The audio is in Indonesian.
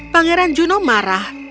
pangeran juno marah